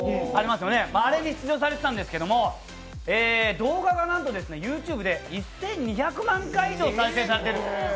あれに出場されてたんですけど動画がＹｏｕＴｕｂｅで１２００万回以上再生されている。